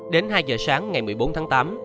đến hai giờ sáng ngày một mươi bốn tháng tám